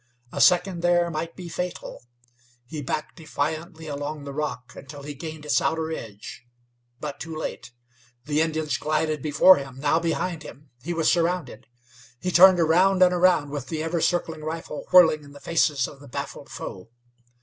A second there might be fatal. He backed defiantly along the rock until he gained its outer edge. But too late! The Indians glided before him, now behind him; he was surrounded. He turned around and around, with the ever circling rifle whirling in the faces of the baffled foe.